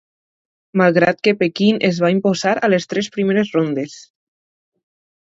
Malgrat que Pequín es va imposar a les tres primeres rondes.